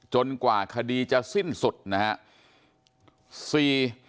จนกว่าคดีจะสิ้นสุดนะครับ